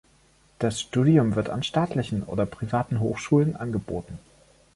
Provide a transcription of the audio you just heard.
Das Studium wird an staatlichen oder privaten Hochschulen angeboten.